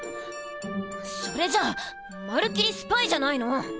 それじゃまるっきりスパイじゃないの！